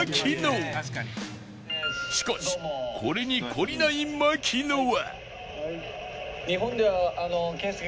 しかしこれに懲りない槙野は